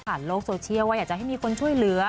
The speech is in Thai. โลกโซเชียลว่าอยากจะให้มีคนช่วยเหลือ